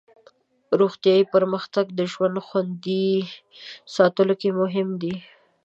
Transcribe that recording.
روغتیایي پرمختګ د ژوند خوندي ساتلو کې مهم دی.